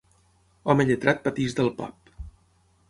Home lletrat pateix del pap.